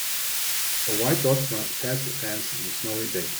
A white dog runs past a fence on a snowy day.